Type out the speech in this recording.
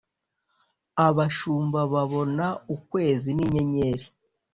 abashumbababona ukwezi n inyenyeri